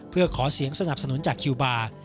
เพื่อขอเสียงสนับสนุนจากคิวบาร์